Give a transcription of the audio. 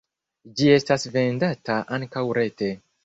Ĝi estas vendata ankaŭ rete.